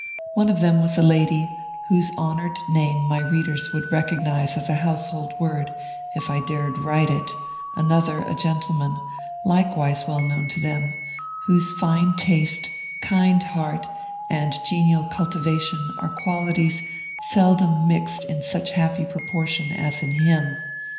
One of them was a lady, whose honored name my readers would recognize as a household word, if I dared write it; another, a gentleman, likewise well known to them, whose fine taste, kind heart, and genial cultivation are qualities seldom mixed in such happy proportion as in him.